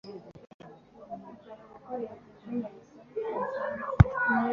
ngo bacumure icyo gicaniro n iyo ngoro arabisenya